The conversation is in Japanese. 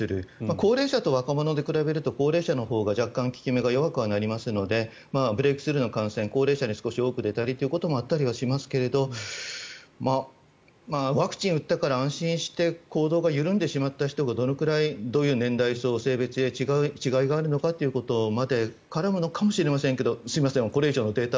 高齢者と若者で比べると高齢者のほうが若干効き目が弱くなりますのでブレークスルーの感染高齢者に少し出たりということもあったりはしますけれどワクチンを打ったから安心して行動が緩んでしまった人がどのくらいどういう年代層性別に違いがあるのかということまで絡むのかもしれませんがすみません、これ以上のデータ